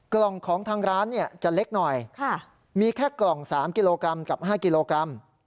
กล่องของทางร้านจะเล็กหน่อยมีแค่กล่อง๓กิโลกรัมกับ๕กิโลกรัม